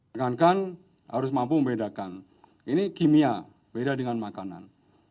tekankan harus mampu membedakan ini kimia beda dengan makanan